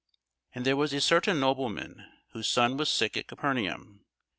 And there was a certain nobleman, whose son was sick at Capernaum.